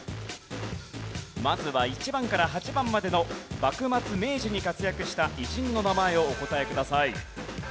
まずは１番から８番までの幕末・明治に活躍した偉人の名前をお答えください。